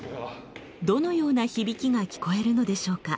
どのような響きが聞こえるのでしょうか。